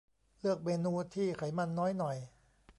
เลือกเมนูที่ไขมันน้อยหน่อย